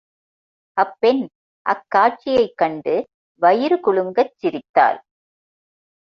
அப்பெண் அக் காட்சியைக் கண்டு வயிறு குலுங்கச் சிரித்தாள்.